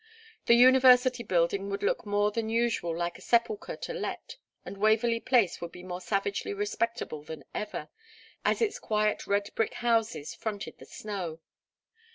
The University Building would look more than usual like a sepulchre to let, and Waverley Place would be more savagely respectable than ever, as its quiet red brick houses fronted the snow.